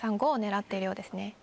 ５を狙っているようですね。